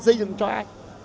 xây dựng cho ai